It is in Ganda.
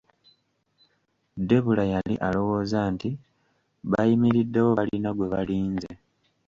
Debula yali alowooza nti bayimiriddewo balina gwe balinze.